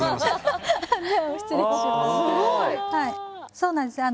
そうなんです。